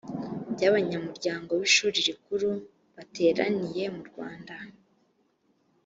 by abanyamuryango b ishuri rikuru bateraniye mu rwanda